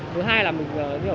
thứ hai là mình cũng có thể chơi